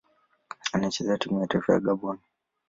Anachezea timu ya taifa ya Gabon.